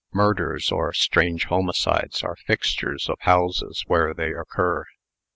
Murders, or strange homicides, are fixtures of houses where they occur.